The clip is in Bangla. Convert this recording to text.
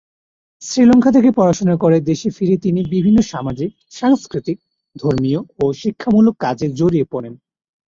শ্রীলঙ্কা থেকে পড়াশুনা করে দেশে ফিরে তিনি বিভিন্ন সামাজিক, সাংস্কৃতিক, ধর্মীয় ও শিক্ষামূলক কাজে জড়িয়ে পড়েন।